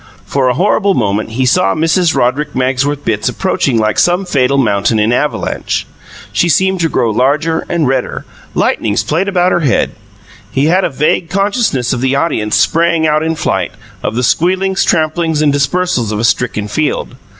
For a horrible moment he saw Mrs. Roderick Magsworth Bitts approaching like some fatal mountain in avalanche. She seemed to grow larger and redder; lightnings played about her head; he had a vague consciousness of the audience spraying out in flight, of the squealings, tramplings and dispersals of a stricken field.